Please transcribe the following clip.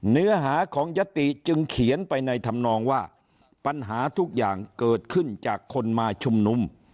เนื้อหาของยติจึงเขียนไปในธรรมนองว่าปัญหาทุกอย่างเกิดขึ้นจากคนมาชุมนุม